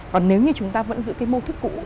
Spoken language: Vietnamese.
còn nếu như chúng ta vẫn giữ cái mô thức cũ